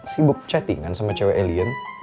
sibuk chattingan sama cewek alien